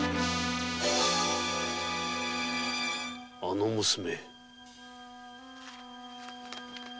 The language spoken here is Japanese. あの娘？